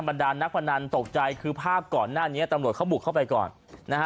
ดานนักพนันตกใจคือภาพก่อนหน้านี้ตำรวจเขาบุกเข้าไปก่อนนะฮะ